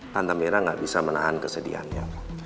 tante mira gak bisa menahan kesedihannya